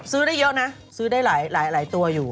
ได้เยอะนะซื้อได้หลายตัวอยู่